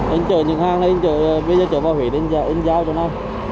anh chở những hàng này bây giờ chở vào huyện anh giao cho nó